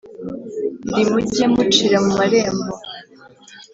Ri mujye mucira mu marembo